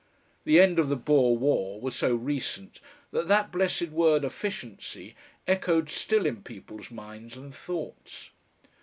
The end of the Boer War was so recent that that blessed word "efficiency" echoed still in people's minds and thoughts.